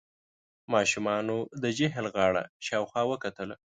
ماشومانو د جهيل غاړه شاوخوا وکتله.